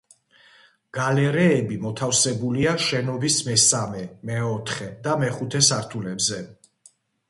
გალერეები მოთავსებულია შენობის მესამე, მეოთხე და მეხუთე სართულებზე.